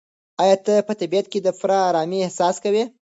ایا ته په طبیعت کې د پوره ارامۍ احساس کوې؟